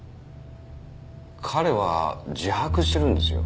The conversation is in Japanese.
彼は自白してるんですよ。